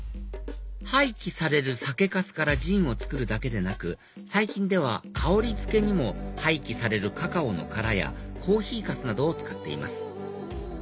廃棄される酒かすからジンを造るだけでなく最近では香りづけにも廃棄されるカカオの殻やコーヒーかすなどを使っています